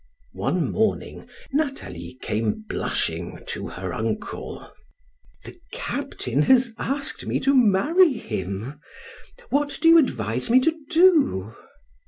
One morning, Nathalie came blushing to her uncle. "The captain has asked me to marry him. What do you advise me to do?"